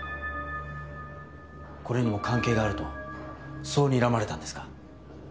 これにも関係があるとそうにらまれたんですか？